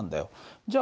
じゃあね